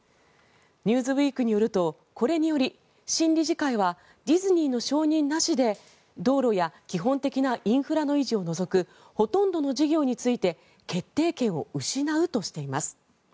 「ニューズウィーク」によるとこれにより新理事会はディズニーの承認なしで道路や基本的なインフラの維持を除くほとんどの事業について決定権を失うとしています。